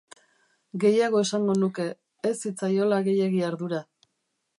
Gehiago esango nuke, ez zitzaiola gehiegi ardura.